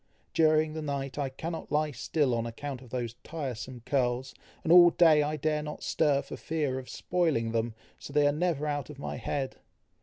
During the night, I cannot lie still on account of those tiresome curls, and all day I dare not stir for fear of spoiling them, so they are never out of my head."